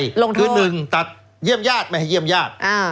ลงโทษคือหนึ่งตัดเยี่ยมญาติมหาเยี่ยมญาติอ่า